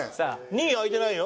２位開いてないよ。